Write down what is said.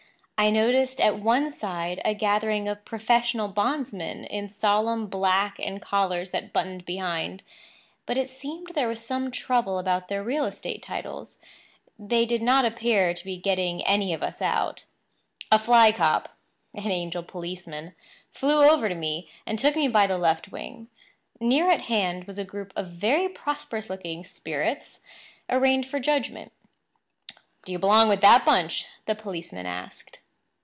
I noticed at one side a gathering of professional bondsmen in solemn black and collars that buttoned behind; but it seemed there was some trouble about their real estate titles; and they did not appear to be getting any of us out. A fly cop—an angel policeman—flew over to me and took me by the left wing. Near at hand was a group of very prosperous looking spirits arraigned for judgment. "Do you belong with that bunch?" the policeman asked.